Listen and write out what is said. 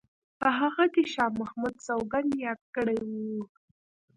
په هغه کې شاه محمد سوګند یاد کړی وو.